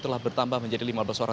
telah bertambah menjadi lima belas orang